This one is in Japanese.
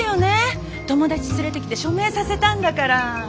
友達連れてきて署名させたんだから。